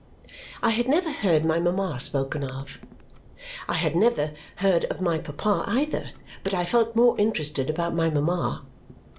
I had never heard my mama spoken of. I had never heard of my papa either, but I felt more interested about my mama.